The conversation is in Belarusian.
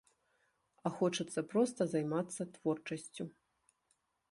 А хочацца проста займацца творчасцю.